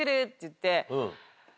って